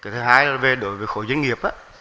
thứ hai là đối với khối doanh nghiệp